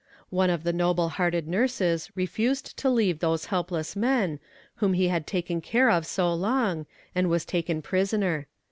One of the noble hearted nurses refused to leave those helpless men, whom he had taken care of so long, and was taken prisoner.